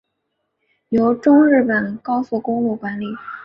由中日本高速公路管理。